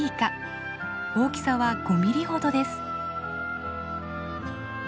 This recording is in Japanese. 大きさは５ミリほどです。